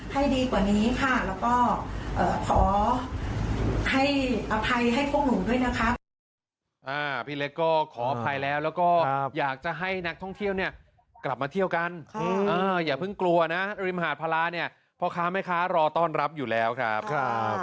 ให้ดีกว่านี้ค่ะแล้วก็ขอให้อภัยให้พวกหนูด้วยนะคะ